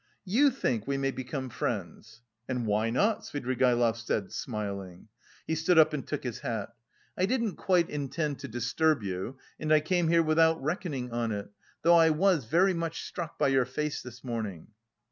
"You think we may become friends?" "And why not?" Svidrigaïlov said, smiling. He stood up and took his hat. "I didn't quite intend to disturb you and I came here without reckoning on it... though I was very much struck by your face this morning."